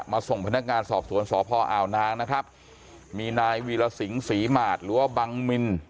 ส่งพนักงานสอบสวนสพอ่าวนางนะครับมีนายวีรสิงศรีหมาดหรือว่าบังมิน